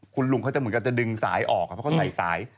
คุณลุงเขาจะเหมือนกันจะดึงสายออกเพราะเขาใส่สาย